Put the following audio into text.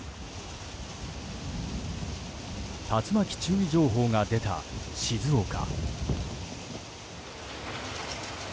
竜巻注意情報が出た静岡。